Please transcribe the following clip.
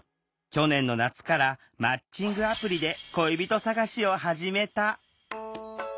去年の夏からマッチングアプリで恋人探しを始めた。